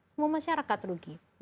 semua masyarakat rugi